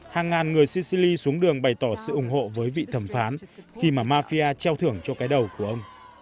hàng ngàn người sisili xuống đường bày tỏ sự ủng hộ với vị thẩm phán khi mà mafia treo thưởng cho cái đầu của ông